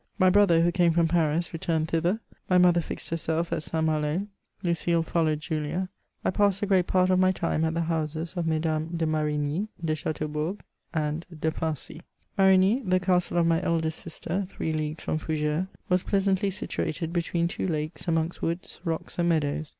My brother, who came from Paris^ returned thither; my mother fixed herself at St. Malo ; Lucile followed Julia ; I passed a great part of my time at the houses of Mesdunes de Marigny, de Chateaabourg, and de Farcy. Marfgny, the castle of my eldest sister, three leagues from Foug^res, was pleasantly situated between two lakes, amongst woods, rocks and meadows.